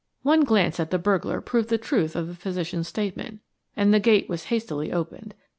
One glance at the burglar proved the truth of the physician's statement and the gate was hastily opened.